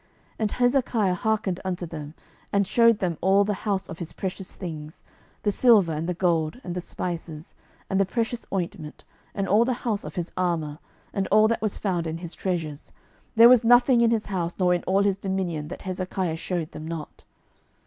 12:020:013 And Hezekiah hearkened unto them, and shewed them all the house of his precious things, the silver, and the gold, and the spices, and the precious ointment, and all the house of his armour, and all that was found in his treasures: there was nothing in his house, nor in all his dominion, that Hezekiah shewed them not.